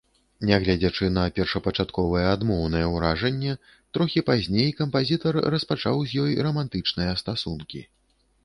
Нягледзячы на першапачатковае адмоўнае ўражанне, трохі пазней кампазітар распачаў з ёй рамантычныя стасункі.